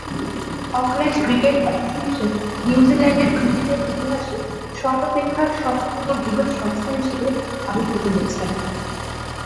Auckland cricket association নিউজিল্যান্ডের ক্রিকেটের ইতিহাসে সর্বাপেক্ষা সফলতম বৃহৎ সংস্থা হিসেবে আবির্ভূত হয়েছে।